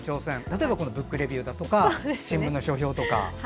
例えば「ブックレビュー」だとか新聞の書評だとか。